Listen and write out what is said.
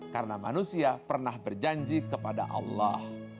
karena manusia pernah berjanji kepada allah